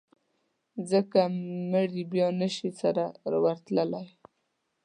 ځکه مړي بیا نه شي سره ورتلای.